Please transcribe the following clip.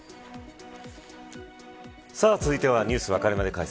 続いてはニュースわかるまで解説。